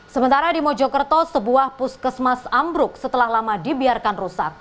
sementara di mojokerto sebuah puskesmas ambruk setelah lama dibiarkan rusak